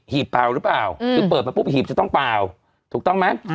ีบเปล่าหรือเปล่าคือเปิดมาปุ๊บหีบจะต้องเปล่าถูกต้องไหม